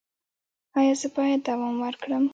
ایا زه باید دوام ورکړم؟